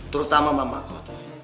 terutama mama kau